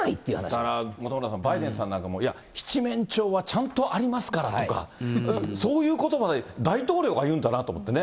だから、本村さんね、バイデンさんなんかもいや、七面鳥はちゃんとありますからとか、そういうことまで大統領が言うんだなと思ってね。